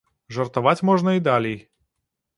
Жартаваць можна і далей.